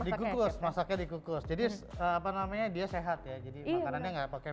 dikukus masaknya dikukus jadi apa namanya dia sehat ya jadi makanannya enggak pakai